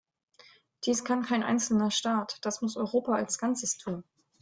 Dies kann kein einzelner Staat, das muss Europa als Ganzes tun.